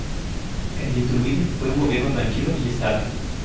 El de Iturbe fue un gobierno tranquilo y estable.